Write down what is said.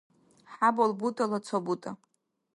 хӀябал бутӀала ца бутӀа